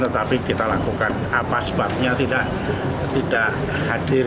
tetapi kita lakukan apa sebabnya tidak hadir